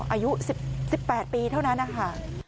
อายุ๑๘ปีเท่านั้นนะคะ